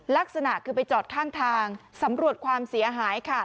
ลักษณะคือไปจอดข้างทางสำรวจความเสียหายค่ะ